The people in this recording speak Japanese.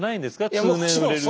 通年売れるって。